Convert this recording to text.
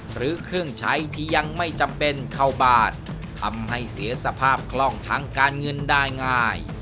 หรือเครื่องใช้ที่ยังไม่จำเป็นเข้าบ้านทำให้เสียสภาพคล่องทางการเงินได้ง่าย